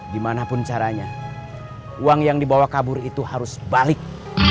dimanapun caranya uang yang dibawa kabur itu harus balik